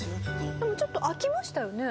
でもちょっと空きましたよね？